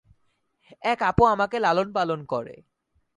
এক আপু আমাকে লালন-পালন করে।